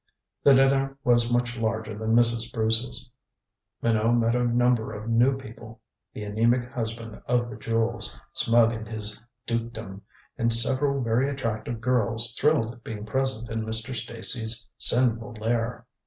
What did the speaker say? The dinner was much larger than Mrs. Bruce's. Minot met a number of new people the anemic husband of the jewels, smug in his dukedom, and several very attractive girls thrilled at being present in Mr. Stacy's sinful lair.